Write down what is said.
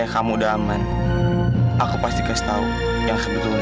ayah kamu damai aku pasti kasih tahu yang kebetulan